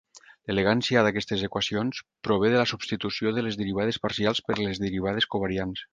L'elegància d'aquestes equacions prové de la substitució de les derivades parcials per les derivades covariants.